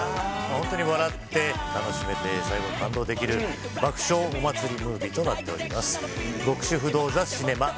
ホントに笑って楽しめて最後に感動できる爆笑お祭りムービーとなっております。